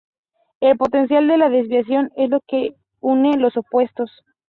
El potencial de la desviación es lo que une los opuestos.